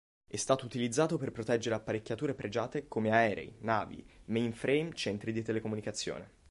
È stato utilizzato per proteggere apparecchiature pregiate come aerei, navi, mainframe, centri di telecomunicazione.